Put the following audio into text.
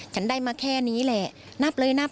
ฉันได้มาแค่นี้แหละนับเลยนับ